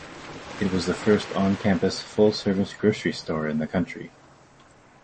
It was the first on-campus full-service grocery store in the country.